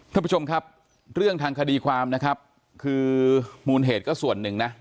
ท่านผู้ชมครับเรื่องทางคดีความนะครับคือมูลเหตุก็ส่วนหนึ่งนะ